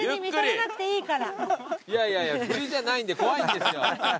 いやいやいや振りじゃないんで怖いんですよ。